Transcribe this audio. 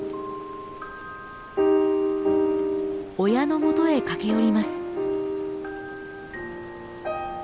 親のもとへ駆け寄ります。